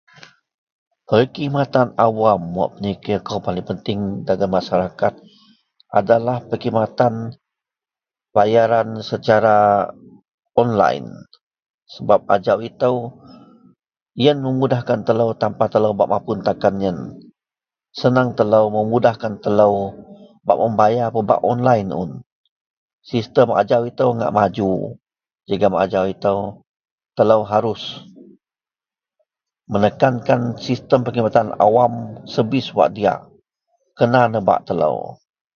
perkhidmatan awam wak penikir kou paling penting dagen masyarakat adalah perkhidmatan bayaran secara online sebab ajau itou ien memudah kan telou tanpa telou bak mapun takan ien, senang telou memudahkan telou bak membayar pebak online un, sistem ajau itou ngak maju jegum ajau telou harus menekenkan sistem perkhidmatan awam, servis wak diak kena nebak telou